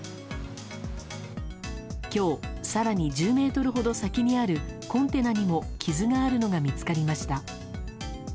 今日、更に１０ｍほど先にあるコンテナにも傷があるのが見つかりました。